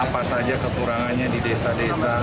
apa saja kekurangannya di desa desa